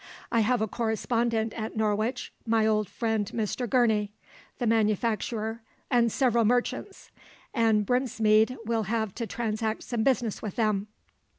I have a correspondent at Norwich, my old friend Mr Gournay, the manufacturer, and several merchants; and Brinsmead will have to transact some business with them.